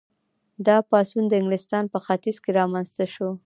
دا پاڅون د انګلستان په ختیځ کې رامنځته شو.